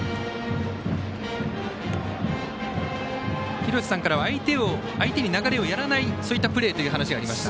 廣瀬さんからは相手に流れをやらないというそういったプレーというお話がありました。